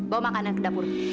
bawa makanan ke dapur